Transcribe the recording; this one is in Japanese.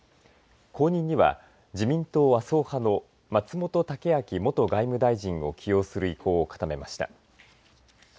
後任には自民党麻生派の松本剛明元外務大臣を起用する意向を固めました。